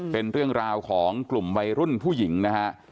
เป็นเรื่องราวของกลุ่มวัยรุ่นผู้หญิงนะฮะ